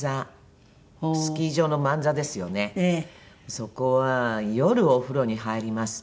そこは夜お風呂に入りますと。